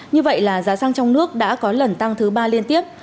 như vậy là giá xăng trong nước đã có lần tăng thứ ba liên tiếp